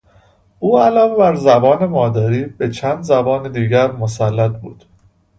او علاوه بر زبان مادری به چند زبان دیگر مسلط بود.